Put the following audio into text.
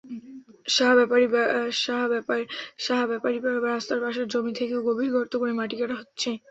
সাহা ব্যাপারীপাড়া রাস্তার পাশের জমি থেকেও গভীর গর্ত করে মাটি কাটা হচ্ছে।